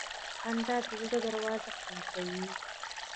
• خندا د زړه دروازه خلاصوي.